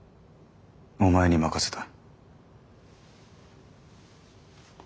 お前に任せた。